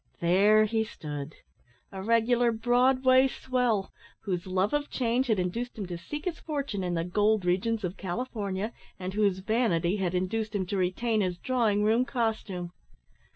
There he stood, a regular Broadway swell, whose love of change had induced him to seek his fortune in the gold regions of California, and whose vanity had induced him to retain his drawing room costume.